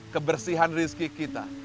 kebersihan rizki kita